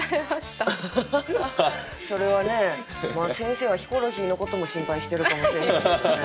それはね先生はヒコロヒーのことも心配してるかもしれないですけどね。